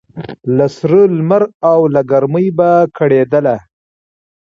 له سره لمر او له ګرمۍ به کړېدله